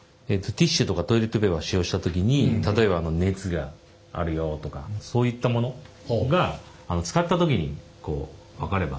ティッシュとかトイレットペーパーを使用した時に例えば熱があるよとかそういったものが使った時に分かれば面白いんじゃないかなと。